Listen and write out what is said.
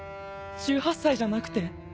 １８歳じゃなくて？